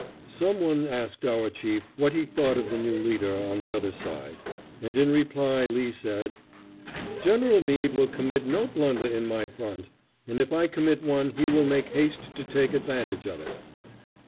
Some one asked our chief what he thought of the new leader on the other side, and in reply Lee said, "General Meade will commit no blunder in my front, and if I commit one he will make haste to take advantage of it."